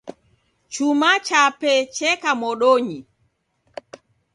Chuma chape cheka modonyi.